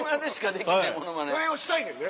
それをしたいねんね？